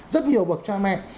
rất nhiều bậc cha mẹ